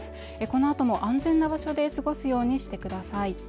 このあとも安全な場所で過ごすようにしてください